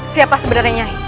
siapa sebenarnya nyai